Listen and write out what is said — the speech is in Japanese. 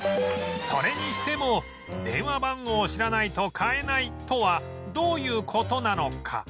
それにしても「電話番号を知らないと買えない」とはどういう事なのか？